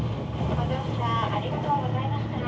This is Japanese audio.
ご乗車ありがとうございました。